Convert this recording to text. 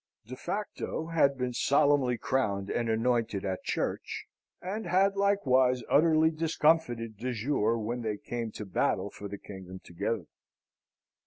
De Facto had been solemnly crowned and anointed at church, and had likewise utterly discomfited De Jure, when they came to battle for the kingdom together.